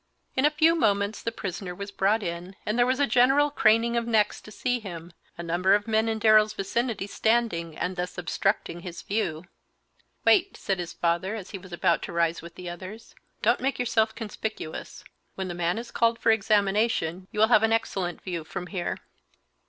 In a few moments the prisoner was brought in, and there was a general craning of necks to see him, a number of men in Darrell's vicinity standing and thus obstructing his view. "Wait," said his father, as he was about to rise with the others; "don't make yourself conspicuous; when the man is called for examination you will have an excellent view from here."